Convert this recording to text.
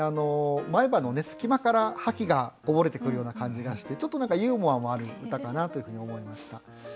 前歯の隙間から覇気がこぼれてくるような感じがしてちょっと何かユーモアもある歌かなというふうに思いました。